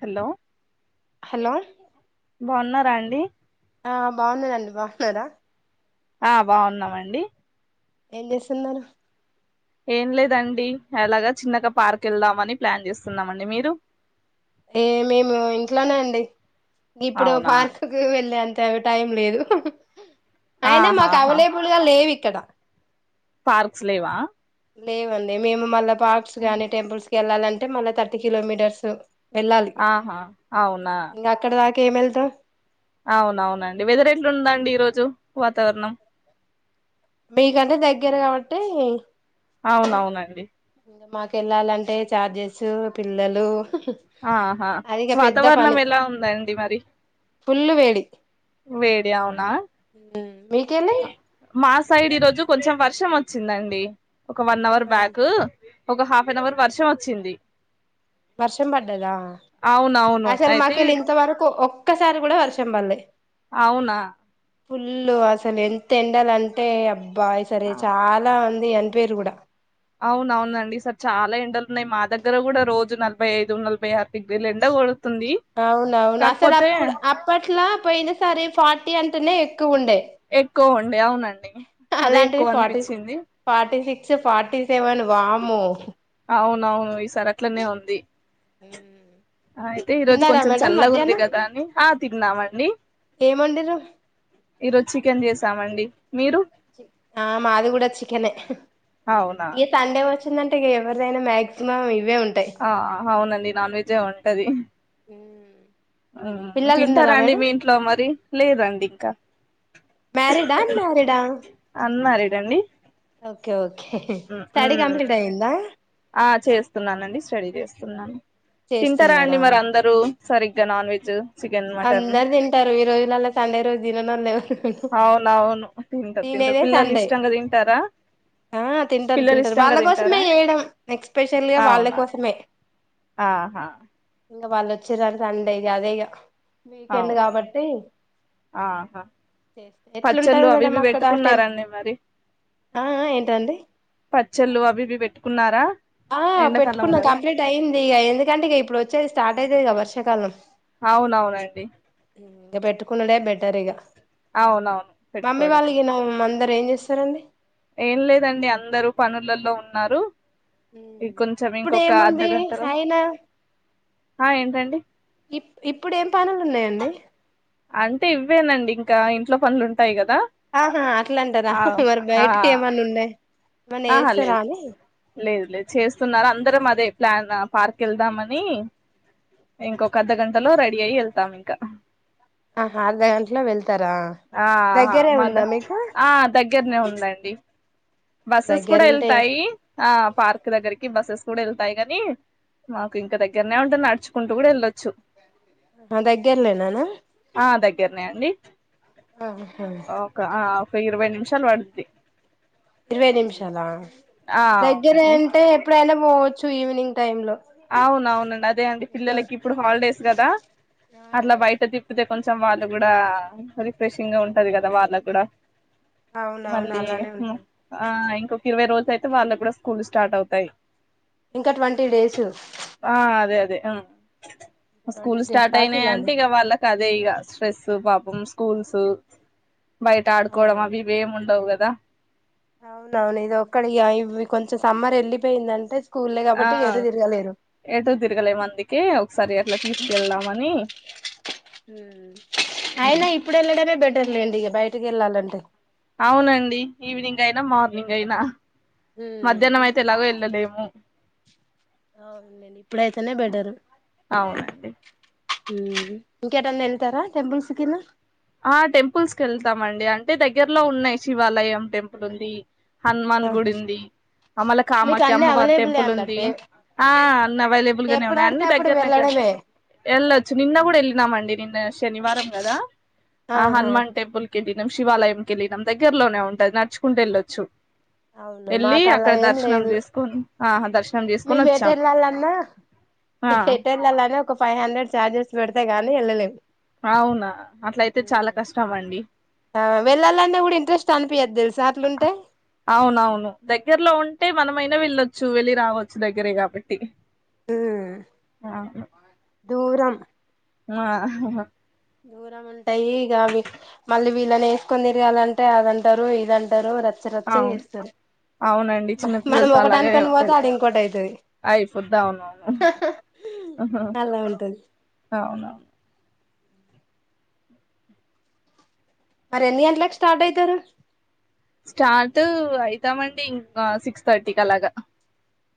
Hello hello బాగున్నారా బండి ఆ బాగున్ననండి బాగున్నారా ఆ బాగున్నామండి ఏం చేస్తున్నారు ఏం లేదండి ఎలాగ చిన్నగా పార్క్ వెళ్దామని ప్లాన్ చేస్తున్నామండి మీరు ఏ మేము ఇంట్లోనే అండి ఇప్పుడు అవునా పార్క్ కి వెళ్ళాంత టైం లేదు అయినా మాకు ఆహాహా అవ్వలేబిల్ గా లేవి క్కడ పర్క్స్ లేవా లేవండి మేము మల్ల పార్క్స్ గానీ టెంపుల్స్ వెళ్ళాలంటే మలి తర్టీ కిలోమీటర్స్ వెళ్ళాలి ఆహా అవునా కెమెల్తావ్ అవునవునండి వెదరెట్లుందాండి ఈ రోజు వాతావరణం మీకంటే దగ్గర కాబట్టి అవునవునండి మాకెళ్ళాలంటే ఛార్జెసు పిల్లలు ఆహా అది ఇక పెద్ద వాతావరణం ఎలా ఉందండి మరి ఫుల్లు వేడి వేడీ అవునా మీకెళ్ళి మాస్ సైడ్ ఈ రోజు కొంచెం వర్షం వచ్చిందండి ఒక వన్ అవర్ బ్యాకు ఒక హాఫ్ అన్ అవర్ వర్షం వచ్చింది వర్షం పడ్డదా, అవునవును అసలు అయితే మాకెళ్ళి ఇంతవరకు ఒక్ క్కసారి కూడా వర్షం పల్లే అవునా ఫుల్లు అసలు ఎంత ఎండలంటే అబ్ బాయ్ సరే చాలా అన్ ఎ అన్ట్వేరు కూడా అవున అవునండి ఈసార్ చాలా ఎండలున్నాయి మా దగ్గర కూడా రోజు నలభై ఐదు నలభై ఆరు డిగ్రీలు ఎండ కోడ్ అవునవును అసలు అప్పుడు అప్పట్లా పోయిన సారి ఫార్టీ అంటేనే ఎక్కువ ఉండే ఎక్కువ ఉండే అవునండి అదే ఎక్కువ అనిపించింది సే ఫార్టి సెవన్ వామ్మో అవునవును ఈ సారి అట్లనే ఉంది మ్మ్ అయితే ఈ రోజు కొంచెం చల్లగా ఉంది కదా అని ఆ తిన్నామండి ఏం వండిర్రు ఈరోజు చికెన్ చేస్ త్తామండి ఆ మాదిగూడ చికనే అవునా ఈ సండే వచ్చ్ దంటే ఎవరిదైనా మాక్సిమం ఇవే ఉంటాయి ఆ హా అవునండి నాన్వెజే ఉంటది పిల్లలు ఉన్నారా తింటారాండి మేడం మీ ఇంట్లో మరి లేదండి ఇంకా మ్యారిడా అన్ మ్యారిడా ఉన్నారేడండి ఉ ఉ స్టడీ కంప్లీట్ అయ్యిందా ఆ చేస్తున్నానండి స్టడీ చేస్ సున్నాం తింటారా అండి చేస్తున్నారా మరి అందరూ సరి గ నాన్ వెజ్జు అందరు తింటారు ఈ రోజులలా సండే రోజు తిననోళ్ళు ఎ అవునవును తింటారు తింటారు తినేదే పిల్లలు సండే ఇష్టంగా తింటారా ఆ తింటారు పిల్లలు తింటారు ఇష్టంగా వాళ్ళ తింటారా కోసమే చేయడం ఎక్స్పెషల్ గా వాళ్ళ అవునా కోసమే ఆహా ఇంగ వాళ్ళు వచ్చిర్రు సండే అదే ఇగా అవునా ఆహా చేస్త పచ్చళ్ళు ఎట్లుంటది మేడం అవివి అక్కడ టెం పెట్టుకున్నారండి మరి ఆ ఆ ఏంటండి పచ్చళ్ళు అవివి పెట్టు కున్నారా ఆ పెట్టుకున్నా కంప్లీట్ అయింది ఇగ ఎందుకంటే ఇగ ఇప్పుడు వచ్చేది స్టార్ట్ అయితది గా వ వర్షాకాలం అవునవునండి టరిగా అవునవును మమ్మీ పెట్టుకోవడమే వాళ్ళుగిన మంద రె ఏం చేస్తారండి ఏం లేదండి అందరూ పనులల్లో ఉన్నారు ఈ హ్మ్ కొంచెం ఇంకొక ఇప్పుడేముంది అర్ధగంటలో అయిన ఆ ఏంటండి ఇ ఇప్పుడేం పనులు ఉన్నాయండి అంటే ఇవ్వేనండి ఇంకా ఇంట్లో పనులు ఉంటాయి క ఆహా అట్లా అంటారా మరి ఆ బయటికి ఏమన్నా ఉన్నాయ్ ఏమన్నా ఎస్తారా నే చేస్తున్నార అందరం అదే ప్లాన్ పార్క్ వెళ్దామని ఇంకొక అర్ధ గంటలో రెడీ అయి వెళ్తాం ఇంకా ఆహా అర్ధ గంటలో వెళ్తారా ఆహా దగ్గరే మా ఉందా ద మీకు ఆ దగ్గరనే ఉందండి బస్సెస్ కూడా దగ్గరుంటే వెళ్తాయి ఆ పార్క్ దగ్గరికి బస్సెస్ కుడు వెళ్తాయి కానీ మాకు ఇంకా దగ్గరనే ఉంటుంది నడుచుకుంటూ కూడా యెళ్ళొచ్చు ఆ దగ్గెర్లేనేనా ఓక అ ఒ ఇరవై నిమిషాలు పడుద్ది ఇరవై నిమిషాల ఆ దగ్గరే అవునండి అంటే ఎప్పుడైనా పోవచ్చు ఈవినింగ్ టైమ్ లో అవును అవునండి అదే అండి ఇంకా పిల్లలకి ఇప్పుడు హాలిడేస్ కదా అట్లా బయట తిప్పితే కొంచెం వాళ్ళు కూడా రిఫ్రెషింగ్ గా ఉంటది కదా వాళ్ళ కూడా అవునవును మళ్ళీ అలానే హ్మ్ ఉంటది ఆ ఒక ఇరవై రోజులు అయితే వాళ్ళకి కూడా స్కూల్ స్టార్ట్ అవుతాయి ఇంకా ట్వంటీ టీడేసు అ స్కూల్ స్టార్ట్ దాకా అయినాయి ఇలానే అంటే ఇక వాళ్ళకి అదే ఇక స్ట్రెస్ పాపం స్కూల్స్ బయట ఆడుకోవడం ఆ అవిఇవి ఏమి ఉండవు కదా దా అవునవును ఇది ఒక్కడి ఇవి కొంచెం సమ్మర్ వెళ్ళిపోయిందంటే స్కూల్లే ఆ కాబట్టి ఎటు తిరగలేరు ఏటో తిరగలే అందుకని ఒకసారి అట్లా తీసుకెళ్దామని ఉమ్ అయినా ఇప్పుడు వెలడమే బెటర్ లెండి బయటికి వెళ్ళాలంటే అవునండి ఈవినింగ్ అయినా మార్నింగ్ అయినా మధ్యాహ్నం అతే ఎలానో వెళ్లలేము ఆ అవునూలెండి ఇప్పుడైతేనే బెటరు అవునండి హ ఇంకెటన్న వెళ్తారా టెంపుుల్స్కినా ఆ టెంపుల్స్ క వెళ్తామండి అంటే దగ్గరలో ఉన్నాయి శివాలయం టెంపుల్ ఉంది హనుమాన్ ఆహా గుడి ఉంది అమల మీకు కామాకియ అన్ని అమ్మవారి అవైలబులే గుడి ఉంది అన్నట్టే ఆ అన్ని అవైలబుల్ గానే ఎప్పుడు ఉన్నాయి ఆడితే అన్ని అప్పుడు దగ్గర దగ్గరనే వెళ్ళడమే వెళ్ళొచ్చు నిన్న కూడా వెళ్ళినామ అండి నిన్న శనివారం కదా ఆహ ఆహా హనుమాన్ టెబుల్కి వెళ్ళినం శివాలయం క వెళ్ళినం దగ్గరలోనే ఉంటుది నడుుకుంటే వెళ్ళొచ్చు వెళ్ళి అక్కడ దర్శనం చేసుకుొని మీ మేటల్లాాలన్నా ఆ హెటల్లాాలనా ఒక ఫైవ్ హండ్రెడ్ ఛార్జెస్ పెడతే గానీ వెళ్ళలేము అవునా అట్లయితే చాలా కష్టం అండి వెల్నే కూడాఊడి ఇంట్రెస్ట్ అ అవునవును దగ్గరలో ఉంటే మనమై న్న వెళ్ళొచ్చు వెళ్ళి రావచ్చు దగ్గరే కాబట్టి ఆ దూరం ఆ దూరం ఉంటాయి ఇక మళ్ళీ వీళ్ళని వేసుకొని తిరగాలంటే అదంటారు ఇదంటారు ర అవును అవునండి మనం చిన్నపిల్లలతో ఒకటి అలాగ అనుకొని పోతే ఉంటుంది అది ఇంకోటి అయితది అయిపోదు అవునవును హాహాహా అలా ఉంటది అవునవును మరి ఎన్ని గంటలకి స్టార్ట్ అవుతారు స్టార్ట్ అయితామండి ఇంకా సిక్స్ థర్టీకి అలాగా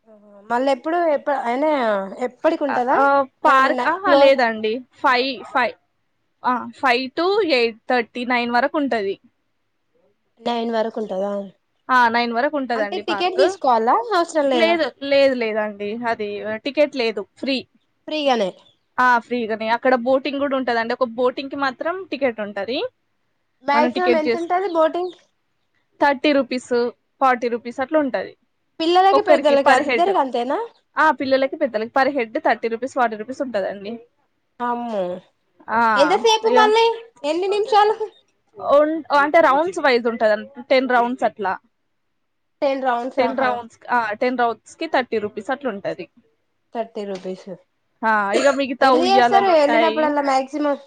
హ మళ్ళీ ఎప్పుడు ఎప్పు అయినా ఎప్పటికి ఆ ఉంటదా ఆ పార్క్ ఏమన్నా ఆహా క్లోజ్ లేదండి five five a five to eight thirty nine వరకు ఉంటుంది నైన్ వరకు ఉంటందా ఆ నైన్ వరకు ఉంటందండి పార్క్ తీసుకోవాలా అవసరం లేదా లేదు లేదు లేదండి అది టికెట్ లేదు ఫ్రీ ఫ్రీగానే ఆ ఫ్రీగానే అక్కడ బోటింగ్ కూడా ఉంటద అంట ఒక బోటింగ్ కి మాత్రం టికెట్ ఉంటది. మనం మాక్సిమం టికెట్ ఎంత చేస్ ఉంటది boating thirty rupees forty rupees అట్లా ఉంటది పిల్లలకి ఒకరికి పెద్దలకి పర్ హెడ్ ఇద్దరికి అంతేనా ఆ పిల్లలకి పెద్దానికి పర్హెడ్ థర్టీ రూపీస్ ఫర్టీ రు సుంట్టాదండి ఆమ్మో ఎంతా సేపు ఇగ మల్లి ఎన్ని నిమిశాలు ఉన్ అంటే రౌండ్స్ వైజ్ ఉంటందిడి టెన్ రౌండ్స్ అట్లా టెన్ రౌండ్స్ టెన్ ఆహా రౌండ్స్ అ టెన్ రౌండ్స్ కి థర్టీ రూపీస్ అట్లా ఉంటంది థర్టీ రూపిస్ అ ఇక మిగతా ఉయ్యాలలు ఉంటాయి వెళ్ళినప్పుడల్లా మాక్సిమం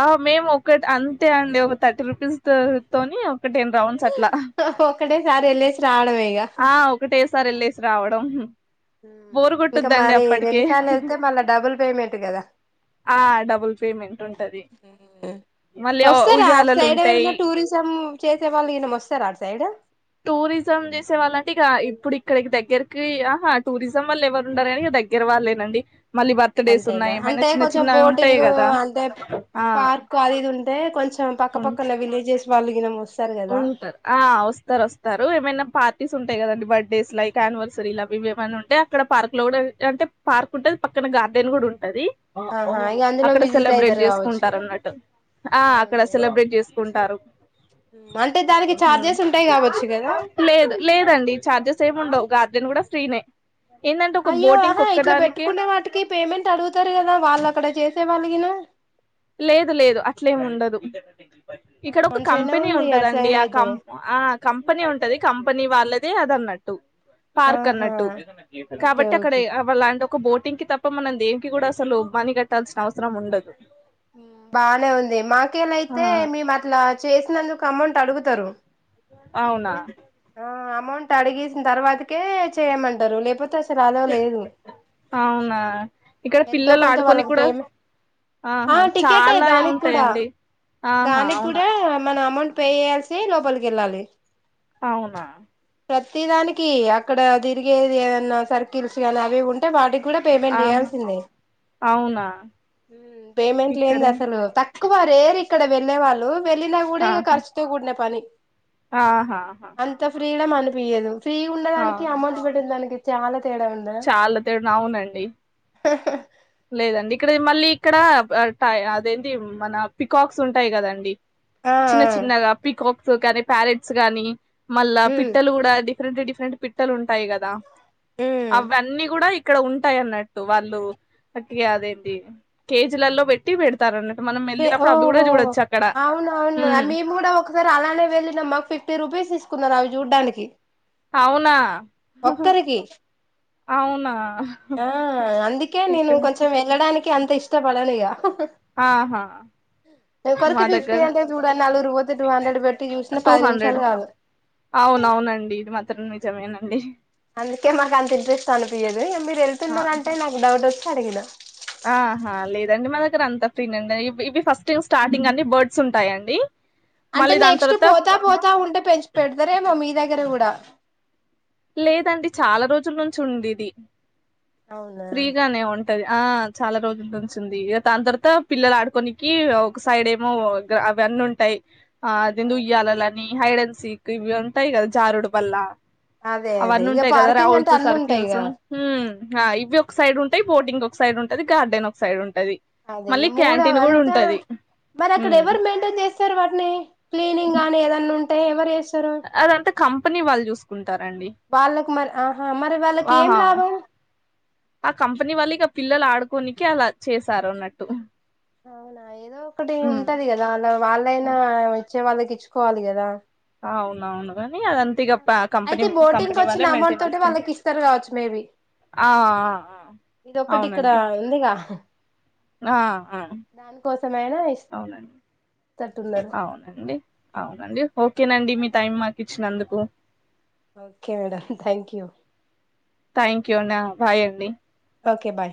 ఆ మేము ఒక్కటి అంతే అండి ఒక థర్టీ రూపీస్తో తోని ఒక టెన్ రౌండ్స్ అట్లా ఒకటేసారి వెళ్ళేసి రావడమే ఇగ ఆ ఒకటేసారి వెళ్ళేసి రావ [unintelligible] మ్ ఇంకా మరి రెండు సార్లు [unintelligible] డబుల్ పేమెంట్ కదా, ఆ డబుల్ పేమెంట్ ఉంటది మళ్ళీ వస్తారా అటు ఉయ్యాలలు సైడ్ ఉంటాయి ఎవరన్నా టూరిసం చేసే వాళ్ళు ఈ వస్తారా సైడు టూరిజం చేసే వాళ్ళ అంటే ఇక ఇప్పుడు ఇక్కడికి దగ్గరకి ఆహా టూరిజం వల్ల ఎవరు ఉండారని ఇక దగ్గర వాళ్ళేనండి. మళ్ళీ బర్త్ డేస్ అంతేనా, ఉన్నాయి ఏమైనా అంటే చిన్న కొంచెం చిన్నవి ఉంటాయి బోటింగ్ కదా అంటే ఆ పార్క్ అది ఇది ఉంటే కొంచెం ఉం పక్కపక్కన విలేజెస్ వళ్లుగినమస్త ఉంటారు ఆ వస్తారు వస్తారు ఏమైనా పా టీస్ ఉంటాయి కదండి, బర్త్డస్ లైక్ ఆనివర్సరీ లావి ఇవి ఏమనా ఉంటాయి, అక్కడ పార్క్ లో కూడా అంటే పార్క్ ఉంటది, పక్కన గార్డెన్ కూడా ఉంటది. ఆహా ఇగ అందులో అక్కడ విజిట్ సెలబ్రేట్ అయితారు కావచ్చు చేసుకుంటారు అన్నట్టు ఆ అక్కడ అవునులేండి సెలబ్రేట్ చేసుకుంటారు అంటే దానికి మ్ చార్జెస్ ఉంటాయి కావచ్చు కదా లేదు లేదండి ఛార్జెస్ ఏమి ఉండవు పొద్దున్న కూడా ఫ్రీ నే అయ్యో ఆహా ఇట్లా పెట్టుకునే వాటికి పేమెంట్ అడుగుతారు కదా వాళ్ళు అక్కడ చేసే మల్లిగిన లేదు లేదు అట్లేమి ఉండదు ఇక్కడ ఒక మంచిగానే కంపెనీ ఉంది అటు ఉంటదండి సైడ్ ఆ అయితే కం ఆ కంపెనీ ఉంటది కంపెనీ వాళ్ళ దే అదన్నట్టు పార్క్ ఆహా అన్నట్టు ఓకే కాబట్టి అక్కడ ఓకే ఏ [unintelligible] లాంటి ఒక బోట్ [unintelligible] తప్ప మనం దేనికి కూడా అసలు మని కట్టాల్సిన అవసరం ఉండదు బానే ఉంది మాక్ కేలా ఆ అయితే మేము అట్లా చేసినందుకు అమౌంట్ అడుగుతారు అవునా ఆ అమౌంట్ అడిగేసిన తర్వాతకే చేయమంటారు లేకపోతే అస్ [unintelligible] అలోవ్ లేదు అవునా ఇక్కడ ఎంతో పిల్లలు కొంత ఆడుకొని వాళ్ళకి కూడా పేమెం ఆ ఆహా టికెట్ ఎ చాలా దానికి కూడా ఉంటాయండి ఆహా దానికి అవునా కూడా మన అమౌంట్ పేయాల్సి లోపలికి వెళ్ళాలి అవునా ప్రతి దానికి అక్కడ తిరిగేది ఏమన్న సర్కిల్స్ గని అవి ఉంటే వాటికి [unintelligible] కూడా పేమెంట్ ఆహా చేయాల్సిందే అవునా మ్మ్ పేమెంట్ లేనిది ఇక్కడే అసలు పక్ క్కువ రేర్ ఇక్కడ వెళ్ళేవాళ్ళు వెళ్ళినా కూడా ఇక ఖర్చుతో కూడిన పని ఆహా ఆహా అంత ఫ్రీడమ్ అనిపియ్యదు ఫ్రీ ఉండదానికి అమౌంట్ పెట్టిన దానికి చాలా [unintelligible] చాలా తేడెవ్ అవునండి హ లేదండి ఇక్కడ ఇ మళ్ళీ ఇక్కడ ప ప ఆ ప అదేంటి మన పికాక్స్ ఉంటాయి కదండి ఆ చిన్న చిన్నగ పీకాక్ కోకోకట్ ప్యారెంట్స్ గానీ మళ్ళా ఉమ్ పిట్టలు కూడా అది డిరెంట్ డిఫెంట్ పిట్టలు ఉంటయి కదా ఉమ్ అవన్నీ కూడా ఇక్ ఇక్కడ ఉంటాయి అన్నట్టు వాళ్ళు [unintelligible] కాదండీ కేజీలల్లో పెట్టి పెడతారుని ఏ ఓహో అవున అవును ఉమ్ మేము కూడా ఒకసారి అలానే వెళ్ళిన మాకు ఫిఫ్టీ రుపీస్ ఇస్ కున్నారు అవి చూడ్డానికి అవునా ఒక్కరికి అవునా ఆ అందుకే నేను ఇక్కడ కొంచెం వెళ్ళడానికి అంత ఇష్ట పడను ఈగ ఆహా హా ఒకరికి మా ఫిఫ్టీ దగ్గర అంటే చూడండి నలుగురు పోతే టూ హండ్రెడ్ పెట్టి చూసిన టూ పది హండ్రెడ్ నిమిషాలు కావు అవున అవునండి ఇది మాత్రం నిజమేనండి. అందుకే మాకు అంత ఇంట్రెస్ట్ అనిపియదు ఇక మీరు వెళ్తున్నార అంటే నాకు డౌట్ ఒ కడిగిన. ఆ హా లేదండి మన దర అంత ఫీన్ అండివి ఇవి ఫస్ట్ స్టార్టింగ్ అండి బర్డ్స్ ఉంటాయి అడి అంటే నెక్స్ట్ పోతా పోతా ఉంటే పెంచి పెడతారేమో మీ దగ్ దగ్గర కూడా లేదండి చాలా రోజుల నుంచి ఉంది ఇది అవునా ఫ్రీగానే ఉంటది ఆ చాలా రోజుల ఉంచింది ఇక దాని తర్వాత పిల్లలు ఆడుకోనికి ఒక సైడ్ ఏమో అవన్నీ ఉంటాయి ఆ అదిందు ఉయ్యాలుఆని హైడ్ అండ్ సీక్ ఇవి ఉంటాయి కదా జారుడు బల్ అదే అదే అవన్నీ ఇగ ఉంటాయి కదా పార్కింగ్ అంటే రౌండ్స్ అన్ని ఉంటాయి ఇగ సర్కిల్సుు హ హా ఇవి ఒక సైడ్ ఉంటాయి, బోటింగ్ ఒక సైడ్ ఉంటుంది, గార్డెన్ ఒక సైడ్ ఉంట అదే మూడ అంతా మరి అక్కడ హ్మ్ ఎవరు మెయింటైన్ చేస్తారు వాటిని క్లీనింగ్ అని ఏదన్నా ఉం టే ఎవరు చెస్. అదంతా కంపెనీ వాళ్ళు చూసుకుంటారు అండి వాళ్ళకి మరి ఆహా మరి వాళ్ళకి ఏం ఆహా లాభం ఆ కంపెనీ వాళ్ళ పిల్లలు ఆడుకోనికి అలా చేశారు అన్నట్టు అవునా ఏదో ఒకటి హ్మ్ ఉంటది కదా అలా వాళ్ళైనా ఇచే వాళ్ళకి ఇచ్చుకోవాలి కదా అవునవును కాని అదంతా ఇగ ప కంపెనీ అయితే బోటింగ్ కంపెనీ వాళ్ళే వచ్చిన అమౌంట్ మెయింటైన్ తోటి చేసుకుంటారు వాళ్ళకి ఇస్తరు కావచ్చు మేబి ఆ ఆ ఇదిక్కటి ఇక్కడ అవునండి ఉందిగా ఆ ఆ దానికోసమైనా అవునండి ఇస్తట్టున్నారు అవునండి అవునండి ఓకేనండి మీ టైమ్ మాకు ఇచ్చినందుకు okay madam thank you thank you అండి ఆ బాయ్ అండి ఓకే బై